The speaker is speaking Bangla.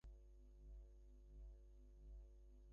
ছয়টার পরে যত খুশি খেতে পারবে।